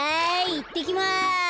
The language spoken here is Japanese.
いってきます！